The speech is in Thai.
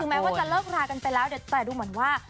แม้ว่าจะเลิกรากันไปแล้วแต่ดูเหมือนว่า